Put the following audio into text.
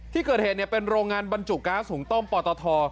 ที่เกิดเหตุเป็นโรงงานบรรจุก๊าซหุงต้มปอตท